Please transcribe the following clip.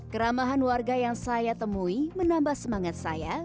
keramahan warga yang saya temui menambah semangat saya